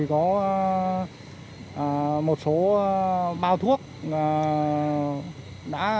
có một đối tượng có biểu hiện nghi vấn